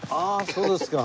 そうですか。